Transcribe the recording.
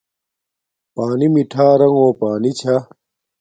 پݳنݵ مِٹھݳ رݣݸ پݳنݵ چھݳ.